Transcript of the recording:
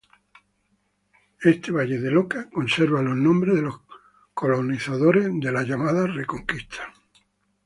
Este valle del Oca conserva los nombres de los colonizadores de la Reconquista.